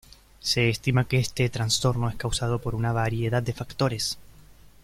Se estima que este trastorno es causado por una variedad de factores.